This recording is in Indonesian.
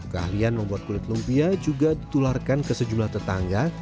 keahlian membuat kulit lumpia juga ditularkan ke sejumlah tetangga